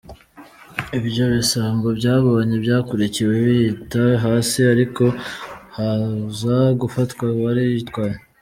Ibyo bisambo byabonye byakurikiwe biyita hasi, ariko haza gufatwa uwari uyitwaye.